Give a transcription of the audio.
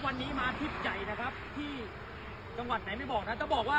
วันนี้มาทริปใหญ่นะครับที่จังหวัดไหนไม่บอกนะจะบอกว่า